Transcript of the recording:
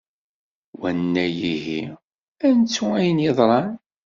Wanag ihi ad nettu ayen iḍran?